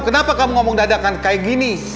kenapa kamu ngomong dadakan kayak gini